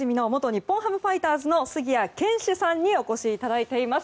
日本ハムファイターズの杉谷拳士さんにお越しいただいています。